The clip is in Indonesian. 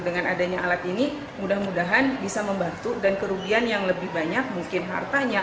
dengan adanya alat ini mudah mudahan bisa membantu dan kerugian yang lebih banyak mungkin hartanya